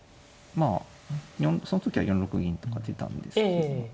まあその時は４六銀とか出たんですけど。